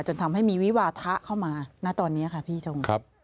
จนทำให้มีวิวาทะเข้ามาณตอนนี้ค่ะพี่ชม